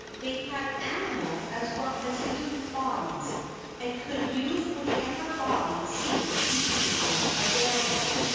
They had animal as well as human bodies and could use whichever body seemed to be most available.